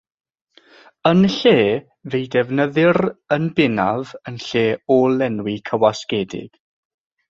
Yn lle, fe'i defnyddir yn bennaf yn lle ôl-lenwi cywasgedig.